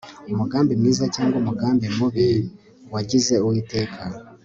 umugambi mwiza cyangwa umugambi mubi wagize uwiteka